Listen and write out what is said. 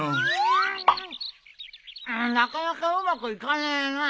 なかなかうまくいかねえな。